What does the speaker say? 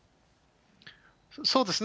そうですね。